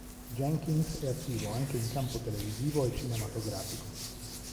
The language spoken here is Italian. Jenkins è attivo anche in campo televisivo e cinematografico.